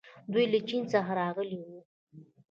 دوی له چین څخه راغلي وو